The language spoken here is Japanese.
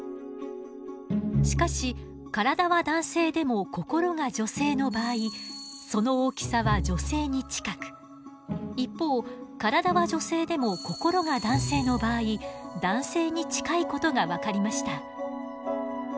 しかし体は男性でも心が女性の場合その大きさは女性に近く一方体は女性でも心が男性の場合男性に近いことが分かりました。